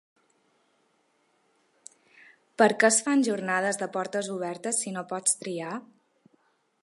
Per què es fan jornades de portes obertes si no pots triar?